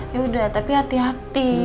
yaudah tapi hati hati